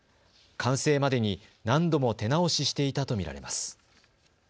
完成までに何度も手直ししていたと見られます。